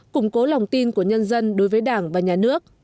củng cố lòng tin của nhân dân đối với đảng và nhà nước